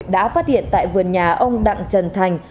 đã phát hiện tại vườn nhà ông đặng trần thành